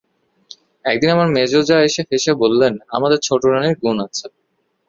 একদিন আমার মেজো জা এসে হেসে বললেন, আমাদের ছোটোরানীর গুণ আছে।